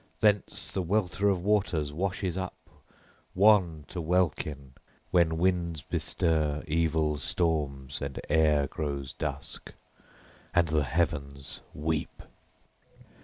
Thence the welter of waters washes up wan to welkin when winds bestir evil storms, and air grows dusk, and the heavens weep.